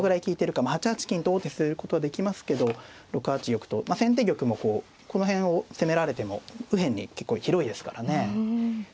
８八金と王手することはできますけど６八玉と先手玉もこの辺を攻められても右辺に結構広いですからね。